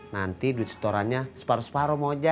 nanti duit setorannya separoh separoh